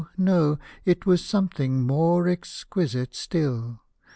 no, — it was something more exquisite still.